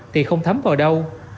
thì không thấm vào đâu